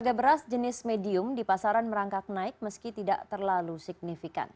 harga beras jenis medium di pasaran merangkak naik meski tidak terlalu signifikan